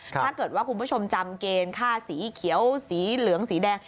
ถ้าเกิดว่าคุณผู้ชมจำเกณฑ์ค่าสีเขียวสีเหลืองสีแดง